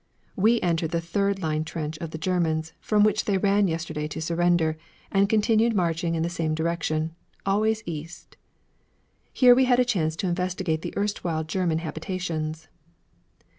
We entered the third line trench of the Germans, from which they ran yesterday to surrender, and continued marching in the same direction always east. Here we had a chance to investigate the erstwhile German habitations.